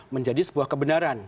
menjadi sebuah kebenaran